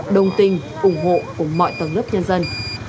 đồng tình ủng hộ cùng mọi tầng lớp nhân dân